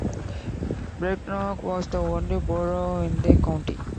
Brecknock was the only borough in the county.